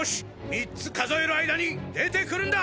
３つ数える間に出てくるんだ。